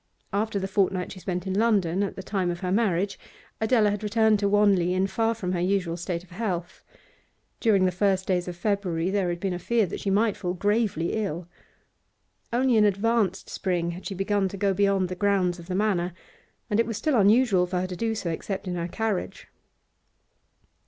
After the fortnight she spent in London at the time of her marriage, Adela had returned to Wanley in far from her usual state of health; during the first days of February there had been a fear that she might fall gravely ill. Only in advanced spring had she begun to go beyond the grounds of the Manor, and it was still unusual for her to do so except in her carriage.